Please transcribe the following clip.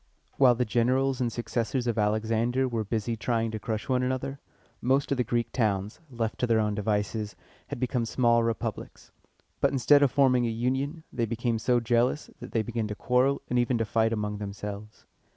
While the generals and successors of Alexander were busy trying to crush one another, most of the Greek towns, left to their own devices, had become small republics. But instead of forming a union, they became so jealous, that they began to quarrel and even to fight among themselves.